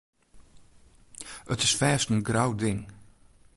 It is fêst in grou ding.